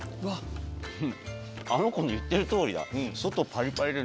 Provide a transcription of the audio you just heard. あの子の言ってる通りだ。